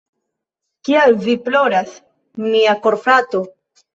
Kial vi ploras, mia korfrato?